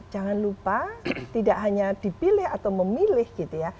jangan lupa tidak hanya dipilih atau memilih gitu ya